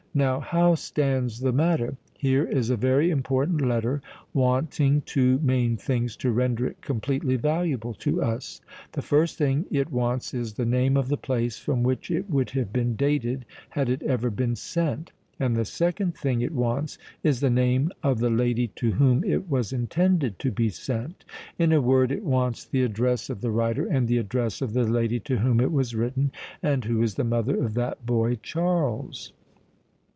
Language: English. "Now how stands the matter? Here is a very important letter, wanting two main things to render it completely valuable to us. The first thing it wants is the name of the place from which it would have been dated, had it ever been sent: and the second thing it wants is the name of the lady to whom it was intended to be sent. In a word, it wants the address of the writer and the address of the lady to whom it was written, and who is the mother of that boy Charles."